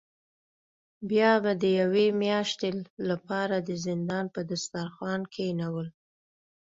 بیا به د یوې میاشتې له پاره د زندان په دسترخوان کینول.